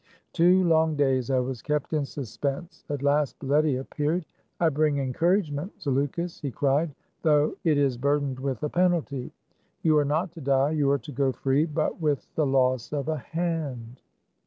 Two long days I was kept in suspense. At last Baletty appeared. " I bring encouragement, Zaleukos," he cried, " though it is burdened with 150 THE CAB AVAN, a penalty. You are not to die ; you are to go free ; but with the loss of a hand